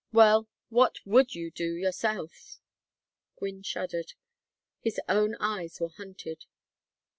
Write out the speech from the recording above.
Well, what would you do yourself?" Gwynne shuddered. His own eyes were hunted.